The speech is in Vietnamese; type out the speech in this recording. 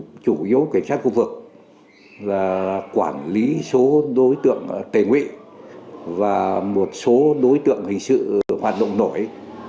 nhiệm vụ lúc bây giờ là chủ yếu cảnh sát khu vực là quản lý số đối tượng tề nguyện và một số đối tượng hình sự hoạt động nổi